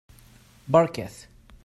Beṛkat!